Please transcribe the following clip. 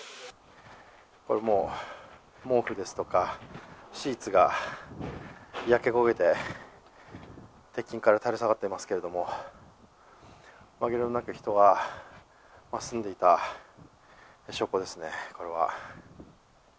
毛布ですとか、シーツが焼け焦げて鉄筋から垂れ下がっていますけどもまぎれもなく人が住んでいた証拠ですね、これは。